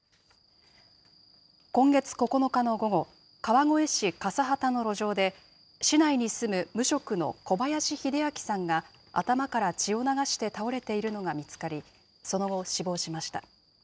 今月９日の午後、川越市笠幡の路上で、市内に住む無職の小林英明さんが頭から血を流して倒れているのが見つかり、その後、死亡しました。